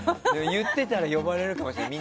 言ってたら呼ばれるかもしれない。